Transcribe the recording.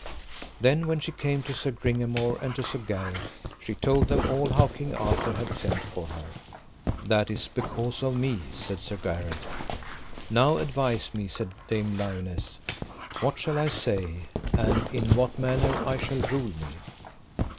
Then when she came to Sir Gringamore and to Sir Gareth, she told them all how King Arthur had sent for her. That is because of me, said Sir Gareth. Now advise me, said Dame Lionesse, what shall I say, and in what manner I shall rule me.